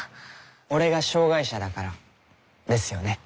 俺が障がい者だからですよね？